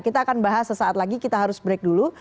kita akan bahas sesaat lagi kita harus break dulu